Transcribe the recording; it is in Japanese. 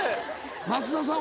松田さん